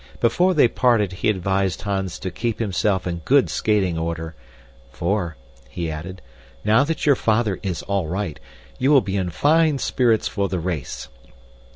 Before they parted, he advised Hans to keep himself in good skating order, "for," he added, "now that your father is all right, you will be in fine spirits for the race.